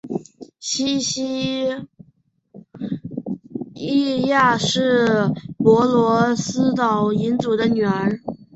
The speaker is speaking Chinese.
西西莉亚是帕罗斯岛领主的女儿。